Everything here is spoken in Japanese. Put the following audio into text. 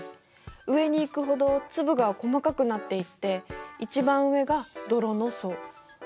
上に行くほど粒が細かくなっていって一番上が泥の層。